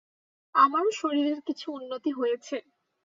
আমারও শরীরের কিছু উন্নতি হয়েছে।